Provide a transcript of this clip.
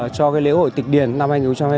cho lễ hội tịch điền năm hai nghìn hai mươi bốn